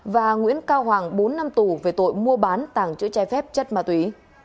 và nguyễn cao hoàng bốn năm tù về tội mua bán tàng chữ trái phép chất ma túy